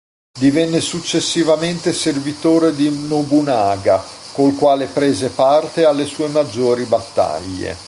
Divenne successivamente servitore di Nobunaga col quale prese parte alle sue maggiori battaglie.